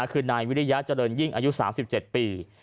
คือนายวิริยะเจริญยิ่งอายุ๓๗ปี